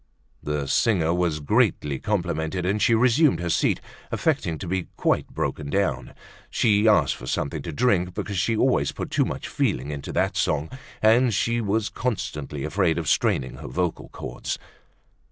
The singer was greatly complimented and she resumed her seat affecting to be quite broken down. She asked for something to drink because she always put too much feeling into that song and she was constantly afraid of straining her vocal chords.